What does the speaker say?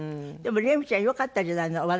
でもレミちゃんよかったじゃないの。